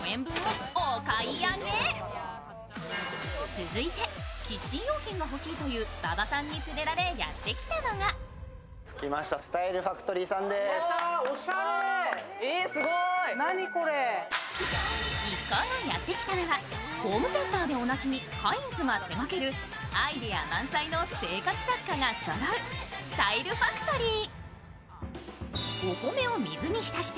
続いて、キッチンが欲しいという馬場さんに連れられ、やってきたのが一行がやってきたのはホームセンターでおなじみカインズが手がけるアイデア満載の生活雑貨がそろう、スタイルファクトリー。